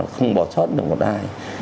không bỏ chót được một ai